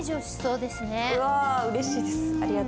うわ嬉しいです。